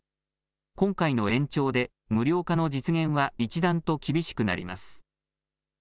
今回の延長で無料化の実現は一段と厳しくなります。